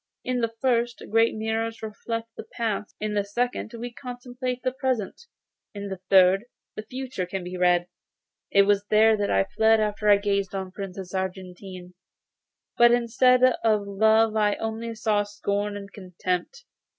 In the first, great mirrors reflect the past; in the second, we contemplate the present; in the third, the future can be read. It was here that I fled after I had gazed on the Princess Argentine, but instead of love I only saw scorn and contempt.